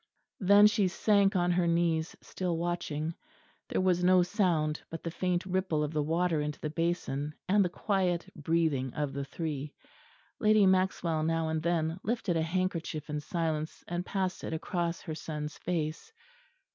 Then she sank on her knees, still watching. There was no sound but the faint ripple of the water into the basin and the quiet breathing of the three. Lady Maxwell now and then lifted a handkerchief in silence and passed it across her son's face.